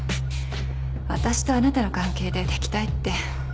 私とあなたの関係で敵対って。